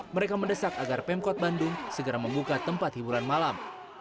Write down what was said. mereka mendesak agar pemkot bandung segera membuka tempat hiburan malam